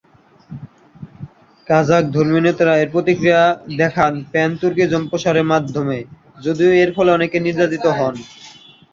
Kazakh ধর্মীয় নেতারা এর প্রতিক্রিয়া দেখান প্যান-তুর্কিজম প্রসারের মাধমে, যদিও এর ফলে অনেকে নির্যাতিত হন।